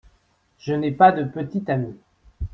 Je n’ai pas de petit ami.